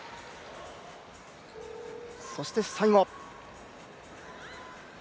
そして最後。